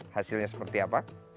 hasilnya seperti apa